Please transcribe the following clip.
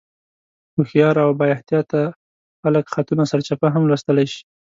هوښیار او بااحتیاطه خلک خطونه سرچپه هم لوستلی شي.